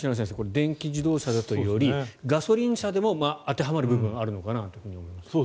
電気自動車だとよりガソリン車でも当てはまる部分はあるのかなと思いますが。